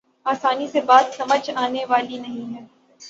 آسانی سے بات سمجھ آنے والی نہیں ہے۔